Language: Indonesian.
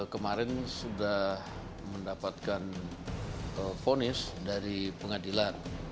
kemarin sudah mendapatkan ponis dari pengadilan